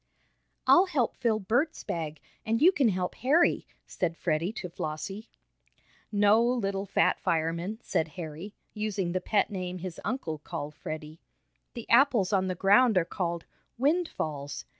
"I'll help fill Bert's bag, and you can help Harry," said Freddie to Flossie. "No, little fat fireman," said Harry, using the pet name his uncle called Freddie. "The apples on the ground are called 'windfalls.'